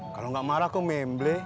kalau nggak marah kok memble